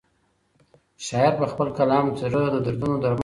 شاعر په خپل کلام کې د زړه د دردونو درمل لټوي.